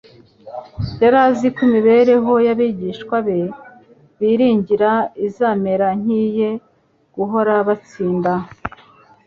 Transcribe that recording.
Yari azi ko imibereho y'abigishwa be biringirwa izamera nk'iye: guhora batsinda,